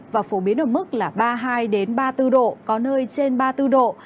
và phổ biến ở mức là ba mươi hai ba mươi bốn độ có nơi trên ba mươi bốn độ